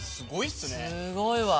すごいわ！